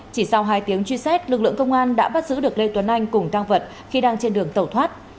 chỉ sau hai tiếng truy xét lực lượng công an đã bắt giữ được lê tuấn anh cùng tăng vật khi đang trên đường tẩu thoát